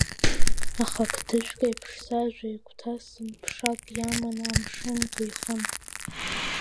Аха қдыжәк еиԥш сажәа иагәҭасын, ԥшак иаман амшын ду ихын.